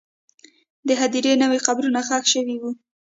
د هدیرې نوې قبرونه ښخ شوي وو.